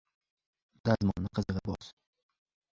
• Dazmolni qizig‘ida bos.